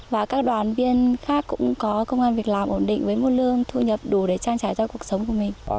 và các đoàn viên khác cũng có công an việc làm ổn định với một lương thu nhập đủ để trang trải cho cuộc sống của mình